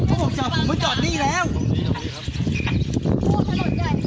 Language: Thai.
เอาตังค์ไหนโน้น